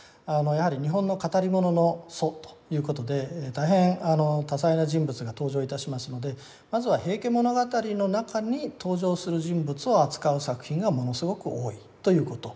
やはり日本の語り物の祖ということで大変多彩な人物が登場いたしますのでまずは「平家物語」の中に登場する人物を扱う作品がものすごく多いということ。